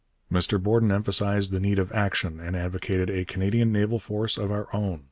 Mr Borden emphasized the need of action, and advocated 'a Canadian naval force of our own.'